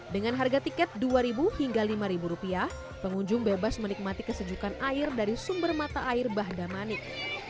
dengan harga tiket rp dua hingga rp lima pengunjung bebas menikmati kesejukan air dari sumber mata air bahdamanik